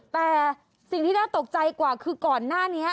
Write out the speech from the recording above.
แต่สิ่งที่น่าตกใจกว่าคือก่อนหน้านี้